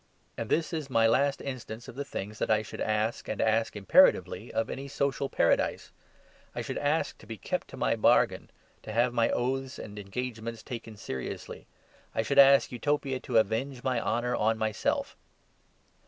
And this is my last instance of the things that I should ask, and ask imperatively, of any social paradise; I should ask to be kept to my bargain, to have my oaths and engagements taken seriously; I should ask Utopia to avenge my honour on myself.